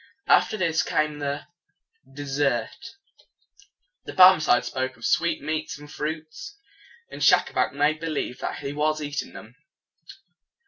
After this came the des sert. The Barmecide spoke of sweet meats and fruits; and Schacabac made believe that he was eating them.